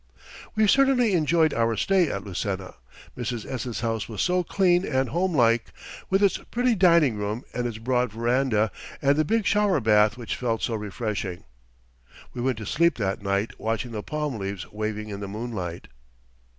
We certainly enjoyed our stay at Lucena. Mrs. S.'s house was so clean and homelike, with its pretty dining room and its broad veranda, and the big shower bath which felt so refreshing. We went to sleep that night watching the palm leaves waving in the moonlight.